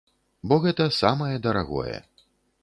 Бо гэта самае дарагое.